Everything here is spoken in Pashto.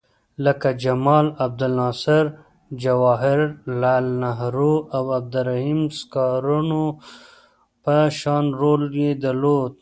لکه جمال عبدالناصر، جواهر لعل نهرو او عبدالرحیم سکارنو په شان رول یې درلود.